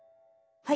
はい。